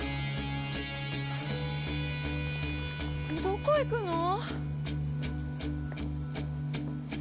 どこ行くの？